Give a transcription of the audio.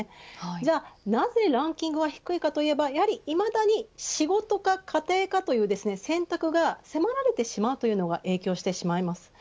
じゃあ、なぜランキングが低いかといえばいまだに、仕事か家庭かという選択が迫られてしまうというのが影響します。